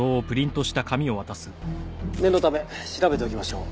念のため調べておきましょう。